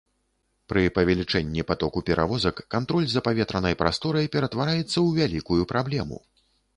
Пры павелічэнні патоку перавозак кантроль за паветранай прасторай ператвараецца ў вялікую праблему.